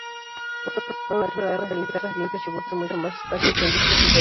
Por otro lado, las guitarras limpias ocupan mucho más espacio que en discos anteriores.